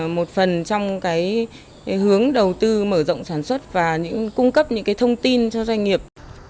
một phần trong cái hướng đầu tư mở rộng sản xuất và những cung cấp những cái thông tin cho doanh nghiệp